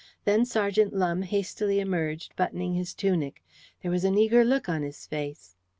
Then Sergeant Lumbe hastily emerged buttoning his tunic. There was an eager look on his face.